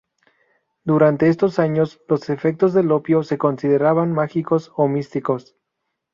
Durante estos años los efectos del opio se consideraban mágicos o místicos.